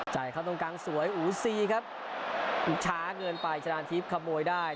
จ่ายเข้าตรงกลางสวยอู๋ซีครับช้าเงินไปชนาดทีพขโมยได้